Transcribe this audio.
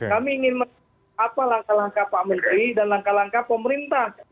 kami ingin apa langkah langkah pak menteri dan langkah langkah pemerintah